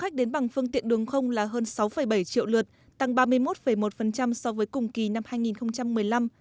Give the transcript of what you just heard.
khách đến bằng phương tiện đường không là hơn sáu bảy triệu lượt tăng ba mươi một một so với cùng kỳ năm hai nghìn một mươi năm